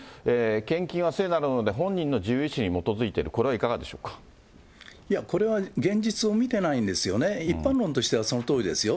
献金は聖なるものなので本人の自由意思に基づいている、これはいこれは現実を見てないんですよね、一般論としてはそのとおりですよ。